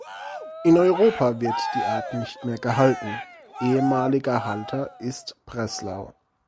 In Europa wird die Art nicht mehr gehalten, ehemaliger Halter ist Breslau.